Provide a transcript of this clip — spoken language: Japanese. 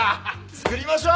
作りましょう！